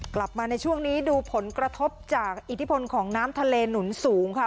กลับมาในช่วงนี้ดูผลกระทบจากอิทธิพลของน้ำทะเลหนุนสูงค่ะ